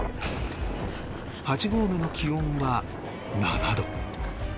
８合目の気温は７度